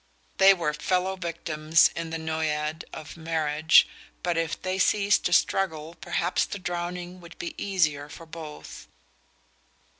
They were fellow victims in the noyade of marriage, but if they ceased to struggle perhaps the drowning would be easier for both...